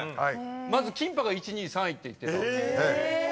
まず「キンパ」が１２３位って言ってた。